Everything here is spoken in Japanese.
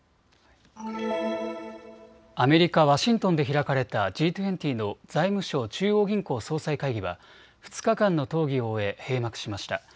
アメリカ・ワシントンで開かれたＧ２０の財務相・中央銀行総裁会議は２日間の討議を終え閉幕しました。